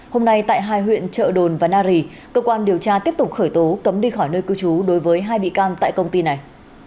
hôm nay tại hai huyện trợ đồn và na rì cơ quan điều tra tiếp tục khởi tố cấm đi khỏi nơi cư trú đối với hai bị can tại công ty này